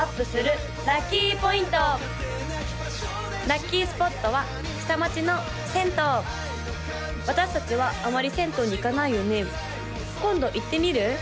・ラッキースポットは下町の銭湯私達はあまり銭湯に行かないよね今度行ってみる？